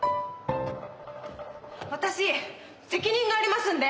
私責任がありますので！